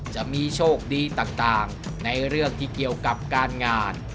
จะมีโชคดีต่างในเรื่องที่เกี่ยวกับการงาน